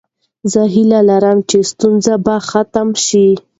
زه هیله لرم چې ستونزې به ختمې شي.